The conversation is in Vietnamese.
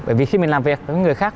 bởi vì khi mình làm việc với người khác